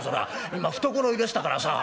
今懐入れてたからさ」。